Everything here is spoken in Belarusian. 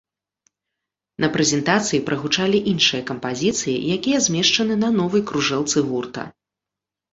На прэзентацыі прагучалі іншыя кампазіцыі, якія змешчаны на новай кружэлцы гурта.